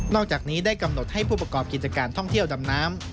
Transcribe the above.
อกจากนี้ได้กำหนดให้ผู้ประกอบกิจการท่องเที่ยวดำน้ำ